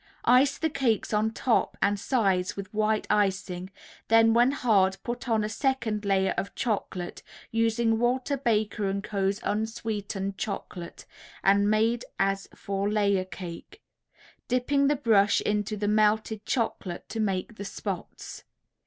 Ice the cakes on top and sides with white icing, then when hard put on a second layer of chocolate, using Walter Baker & Co.'s Unsweetened Chocolate and made as for layer cake, dipping the brush in the melted chocolate to make the spots.